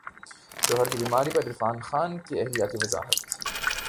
شوہر کی بیماری پر عرفان خان کی اہلیہ کی وضاحت